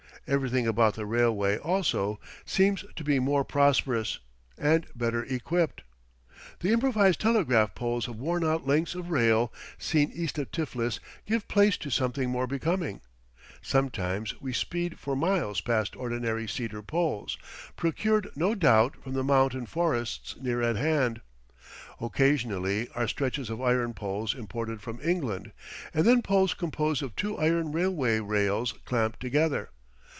Everything about the railway, also, seems to be more prosperous, and better equipped. The improvised telegraph poles of worn out lengths of rail seen east of Tiflis give place to something more becoming. Sometimes we speed for miles past ordinary cedar poles, procured, no doubt, from the mountain forests near at hand. Occasionally are stretches of iron poles imported from England, and then poles composed of two iron railway rails clamped together.